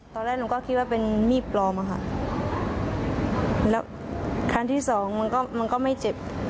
ตอนแรกหนูก็คิดว่าเป็นมีดปลอมอะค่ะแล้วคันที่สองมันก็มันก็ไม่เจ็บ